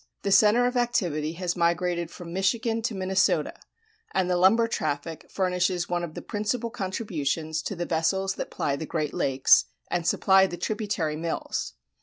The center of activity has migrated from Michigan to Minnesota, and the lumber traffic furnishes one of the principal contributions to the vessels that ply the Great Lakes and supply the tributary mills.